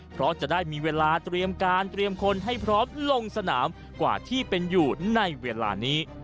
เพราะจะได้มีเวลาเตรียมการเตรียมคนให้พร้อมลงสนามกว่าที่เป็นอยู่ในเวลานี้